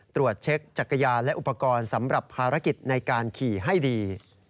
ตรวจเช็คจักรยานและอุปกรณ์สำหรับภารกิจในการขี่ให้ดี